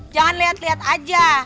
jangan liat liat aja